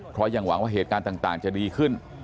เพราะยังหวังว่าเหตุการณ์ต่างจะดีขึ้น